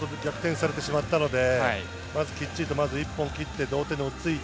今、逆転されてしまったのでまずきっちり一本きって同点に落ち着いて